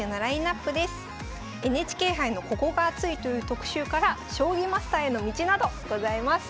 「ＮＨＫ杯のここがアツい！」という特集から「将棋マスターへの道」などございます。